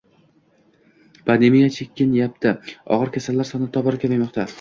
Pandemiya chekinyapti, og`ir kasallar soni tobora kamaymoqda